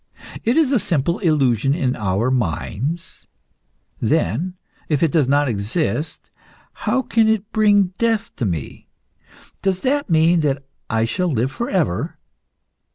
It is a simple illusion of our minds. Then, if it does not exist, how can it bring death to me? Does that mean that I shall live for ever?